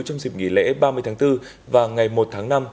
trong dịp nghỉ lễ ba mươi tháng bốn và ngày một tháng năm